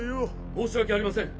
申し訳ありません。